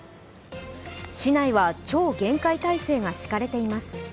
市内は超厳戒態勢が敷かれています。